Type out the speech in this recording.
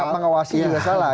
pengawasi juga salah